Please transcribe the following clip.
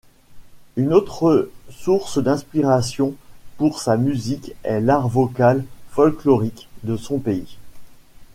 Une autre source d’inspiration pour sa musique est l’art vocal folklorique de son pays.